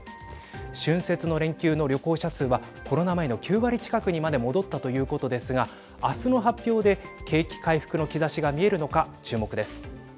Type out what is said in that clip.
春節の連休の旅行者数はコロナ前の９割近くにまで戻ったということですが明日の発表で景気回復の兆しが見えるのか注目です。